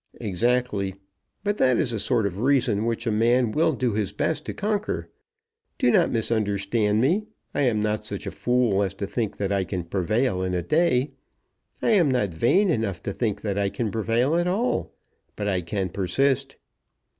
"Exactly; but that is a sort of reason which a man will do his best to conquer. Do not misunderstand me. I am not such a fool as to think that I can prevail in a day. I am not vain enough to think that I can prevail at all. But I can persist."